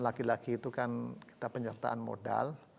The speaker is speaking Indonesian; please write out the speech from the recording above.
tapi lagi lagi itu kan kita penyertaan modal